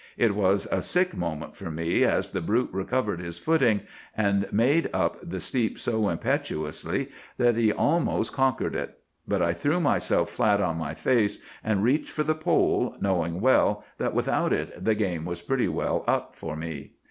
It was a sick moment for me as the brute recovered his footing, and made up the steep so impetuously that he almost conquered it; but I threw myself flat on my face and reached for the pole, knowing well that without it the game was pretty well up for me.